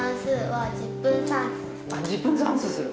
１０分算数する？